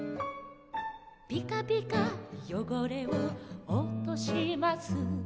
「ピカピカ汚れをおとします」